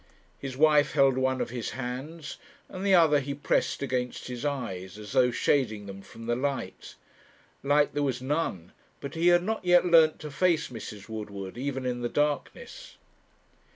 His wife held one of his hands, and the other he pressed against his eyes, as though shading them from the light. Light there was none, but he had not yet learnt to face Mrs. Woodward even in the darkness.